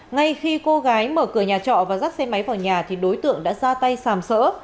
ngay khi cô gái mở cửa nhà trọ và dắt xe máy vào nhà thì đối tượng đã ra tay xàm sỡ